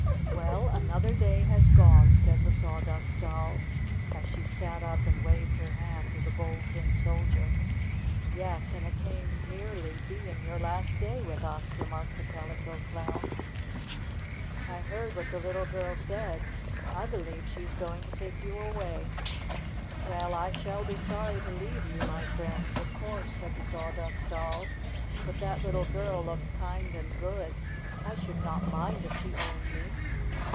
"Well, another day has gone!" said the Sawdust Doll, as she sat up and waved her hand to the Bold Tin Soldier. "Yes, and it came nearly being your last day with us," remarked the Calico Clown. "I heard what the little girl said. I believe she is going to take you away." 34 STORY OF A SAWDUST DOLL "Well, I shall be sorry to leave you, my friends, of course," said the Sawdust Doll. '"But that little girl looked kind and good. I should not mind if she owned me."